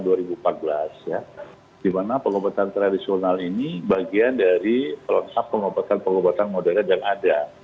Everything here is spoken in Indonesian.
di mana pengobatan tradisional ini bagian dari pelengkap pengobatan pengobatan modern yang ada